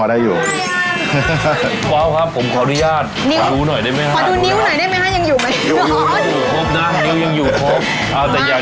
แล้วฟังเสียงคือมันกรอบมาก